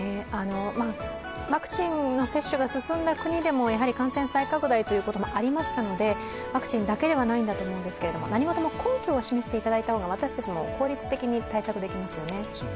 ワクチン接種が進んだ国でも感染再拡大もありましたのでワクチンだけではないんだとは思うんですけど何事も根拠を示していただいた方が、私たちも効率的に対策できますよね。